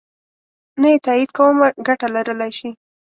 نه یې تایید کومه ګټه لرلای شي.